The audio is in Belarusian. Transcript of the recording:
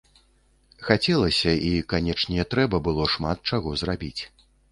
Хацелася і, канечне, трэба было шмат чаго зрабіць.